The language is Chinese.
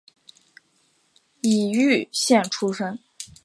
崎玉县出身。